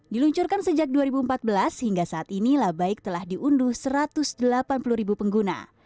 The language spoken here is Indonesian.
diluncurkan sejak dua ribu empat belas hingga saat ini labaik telah diunduh satu ratus delapan puluh ribu pengguna